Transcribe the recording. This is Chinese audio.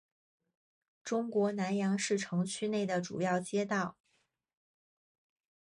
中国南阳市城区内的主要街道。